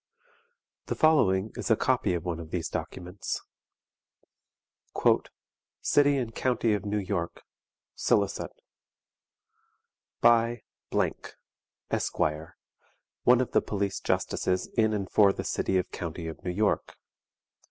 The following is a copy of one of these documents: "City and County of New York, ss. "By , ESQUIRE, one of the Police Justices in and for the City and County of New York.